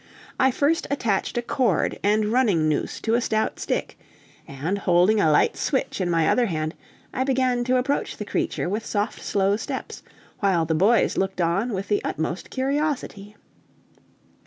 I first attached a cord and running noose to a stout stick, and holding a light switch in my other hand, I began to approach the creature with soft, slow steps, while the boys looked on with the utmost curiosity.